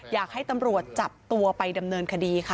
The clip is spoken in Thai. อยากให้ตำรวจจับตัวไปดำเนินคดีค่ะ